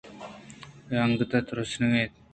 کہ آ انگت تُرسگ ءَ اَت